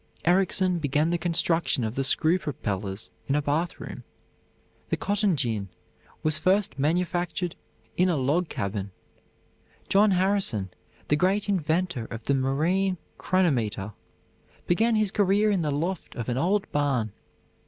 Ericsson began the construction of the screw propellers in a bathroom. The cotton gin was first manufactured in a log cabin. John Harrison, the great inventor of the marine chronometer, began his career in the loft of an old barn.